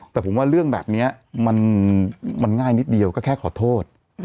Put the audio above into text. แต่ผมว่าเรื่องแบบนี้มันง่ายนิดเดียวก็แค่ขอโทษ